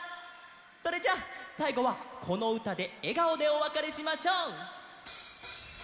それじゃあさいごはこのうたでえがおでおわかれしましょう！